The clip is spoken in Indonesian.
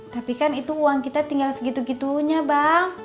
tapi kan itu uang kita tinggal segitu gitunya bang